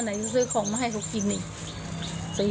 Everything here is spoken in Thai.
ไหนจะซื้อของมาให้เขากินนี่